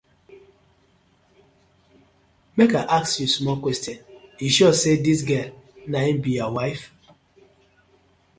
Mek I ask yu small question, yu sure say dis gal na im be yur wife?